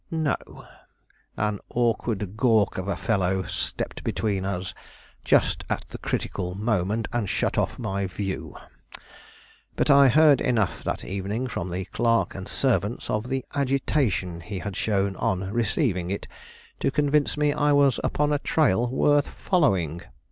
"No; an awkward gawk of a fellow stepped between us just at the critical moment, and shut off my view. But I heard enough that evening from the clerk and servants, of the agitation he had shown on receiving it, to convince me I was upon a trail worth following.